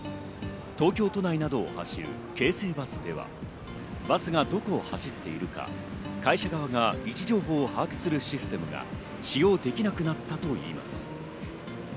東京都内などを走る京成バスでは、バスがどこを走っているか、会社側が位置情報を把握するシステムが使用できなくなったといいます。